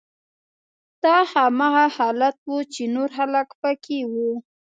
دا هماغه حالت و چې نور خلک پکې وو